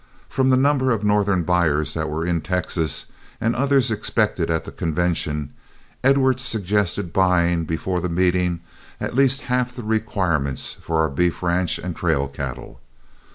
From the number of Northern buyers that were in Texas, and others expected at the convention, Edwards suggested buying, before the meeting, at least half the requirements for our beef ranch and trail cattle.